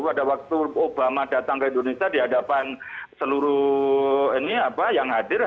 pada waktu obama datang ke indonesia di hadapan seluruh yang hadir